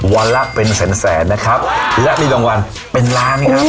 วันละเป็นแสนแสนนะครับและมีรางวัลเป็นล้านครับ